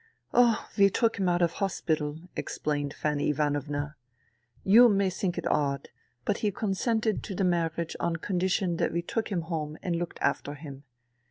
'' Oh, we took him out of hospital," explained Fanny Ivanovna. " You may think it odd, but he consented to the marriage on condition that we took him home and looked after him.